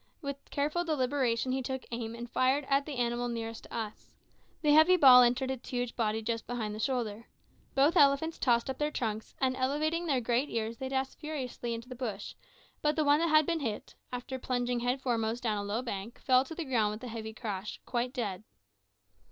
With careful deliberation he took aim, and fired at the animal nearest to us. The heavy ball entered its huge body just behind the shoulder. Both elephants tossed up their trunks, and elevating their great ears they dashed furiously into the bush; but the one that had been hit, after plunging head foremost down a low bank fell to the ground with a heavy crash, quite dead.